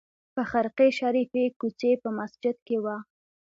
په خرقې شریفې کوڅې په مسجد کې وه.